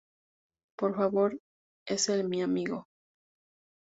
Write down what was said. Por favor. Él es mi amigo.